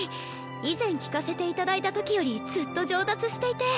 以前聴かせて頂いた時よりずっと上達していて。